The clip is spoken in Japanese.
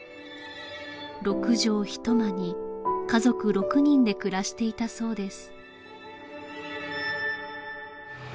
６畳一間に家族６人で暮らしていたそうです